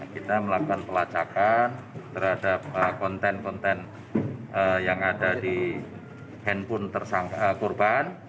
kita melakukan pelacakan terhadap konten konten yang ada di handphone korban